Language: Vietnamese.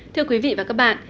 thưa quý vị và các bạn